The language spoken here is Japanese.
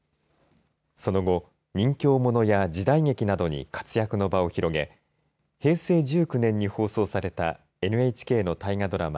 その後、任侠ものや時代劇などに活躍の場を広げ平成１９年に放送されたＮＨＫの大河ドラマ